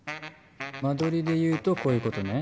間取りで言うとこういうことね？